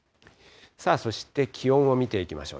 そして気温を見ていきましょう。